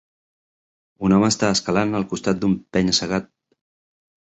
Un home està escalant el costat d'un penya-segat.